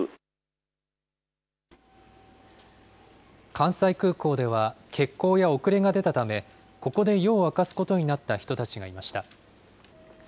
関西空港では、欠航や遅れが出たため、ここで夜を明かすことになった人たちがいました。